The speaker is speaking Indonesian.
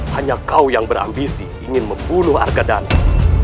hanya kau yang berambisi ingin membunuh arkadana